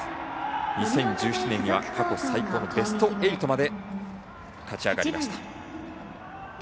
２０１７年には過去最高のベスト８まで勝ち上がりました。